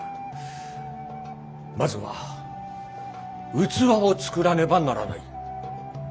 まずは器を作らねばならない。